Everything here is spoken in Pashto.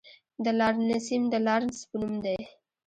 د لارنسیم د لارنس په نوم دی.